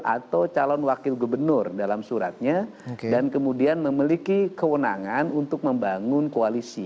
atau calon wakil gubernur dalam suratnya dan kemudian memiliki kewenangan untuk membangun koalisi